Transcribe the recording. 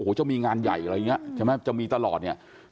โหจะมีงานใหญ่อะไรอย่างนี้ใช่ไหมจะมีตลอดอย่างนี้